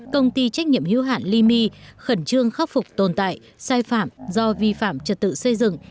công ty trách nhiệm hiếu hạn ly my khẩn trương khắc phục tồn tại sai phạm do vi phạm trật tự xây dựng